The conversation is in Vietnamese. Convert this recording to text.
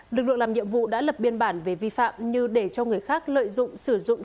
lực lượng làm nhiệm vụ đã lập biên bản về vi phạm như để cho người khác lợi dụng